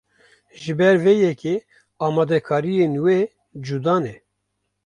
Ji ber vê yekê amadekariyên wê cuda ne.